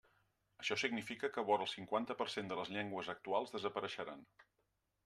Això significa que vora el cinquanta per cent de les llengües actuals desapareixeran.